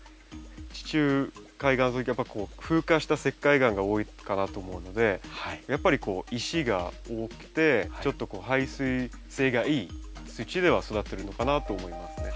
地中海やっぱ風化した石灰岩が多いかなと思うのでやっぱりこう石が多くてちょっと排水性がいい土では育ってるのかなと思いますね。